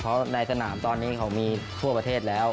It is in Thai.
เพราะในสนามตอนนี้เขามีทั่วประเทศแล้ว